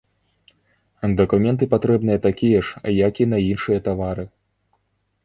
Дакументы патрэбныя такія ж, як і на іншыя тавары.